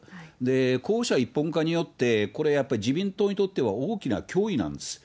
候補者一本化によって、これ、やっぱり自民党にとっては大きな脅威なんです。